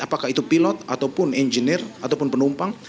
apakah itu pilot ataupun engineer ataupun penumpang